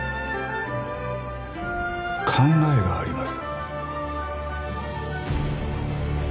考えがあります